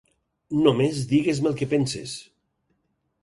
Només digues-me el que penses.